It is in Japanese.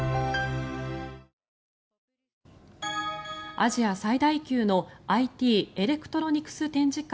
アジア最大級のＩＴ・エレクトロニクス展示会